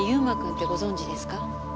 馬くんってご存じですか？